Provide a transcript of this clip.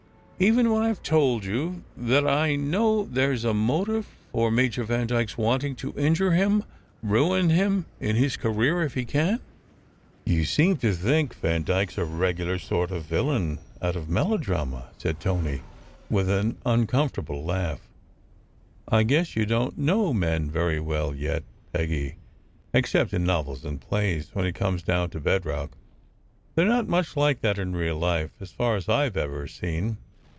"Even when I ve told you that I know there s a motive for Major Vandyke s wanting to injure him, ruin him in his career if he can? " "You seem to think Vandyke s a regular sort of villain out of melodrama," said Tony, with an uncomfortable laugh. " I guess you don t know men very well yet, Peggy except in novels and plays when it comes down to bed rock. They re not much like that in real life, as far as I ve ever seen.